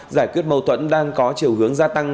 giải quyết mâu thuẫn đang có chiều hướng gia tăng